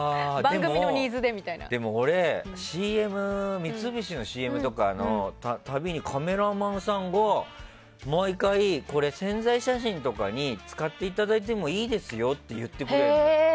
でも、俺三菱のＣＭとかの度にカメラマンさんが毎回、これ宣材写真とかに使っていただいてもいいですよって言ってくれるの。